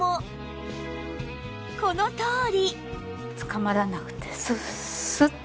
このとおり！